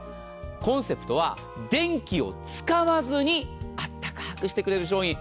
コンセプトは電気を使わずにあったかくしてくれる商品。